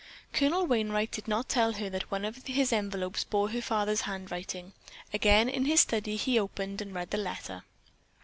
Colonel Wainright did not tell her that one of his envelopes bore her father's handwriting. Again in his study, he opened and read the letter.